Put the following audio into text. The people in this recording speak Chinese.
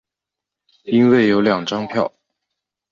因为有两张票